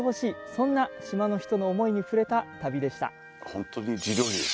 そんな島の人の思いに触れた旅でした。